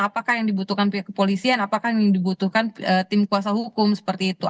apakah yang dibutuhkan pihak kepolisian apakah yang dibutuhkan tim kuasa hukum seperti itu